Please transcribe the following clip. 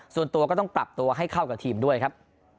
ส่วนตัวก็ต้องปรับตัวให้เข้ากับทีมด้วยครับ